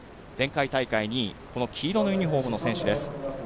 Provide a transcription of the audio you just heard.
前回大会２位黄色のユニフォームの選手です。